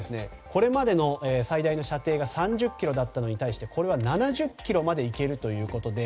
これまでの最大の射程が３０ｋｍだったのに対してこれは７０ｋｍまで行けるということで。